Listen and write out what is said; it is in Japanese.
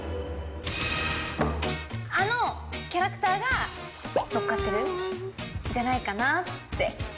あのキャラクターが乗っかってる？じゃないかなって。